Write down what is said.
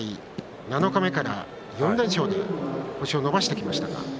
七日目から４連勝で星を伸ばしてきました。